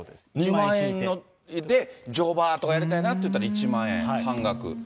２万円で乗馬とかやりたいなと言ったら１万円半額。